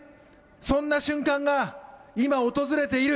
そんな瞬間が今、訪れている。